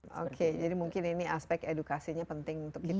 oke jadi mungkin ini aspek edukasinya penting untuk kita